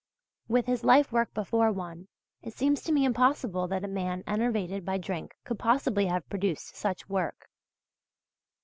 With his life work before one, it seems to me impossible that a man enervated by drink could possibly have produced such work.